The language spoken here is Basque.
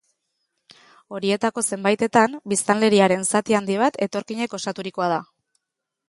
Horietako zenbaitetan, biztanleriaren zati handi bat etorkinek osaturikoa da.